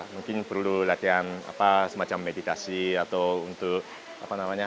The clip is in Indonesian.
mungkin perlu latihan meditasi atau untuk kontrol emosi